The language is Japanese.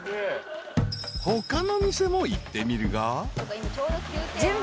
［他の店も行ってみるが］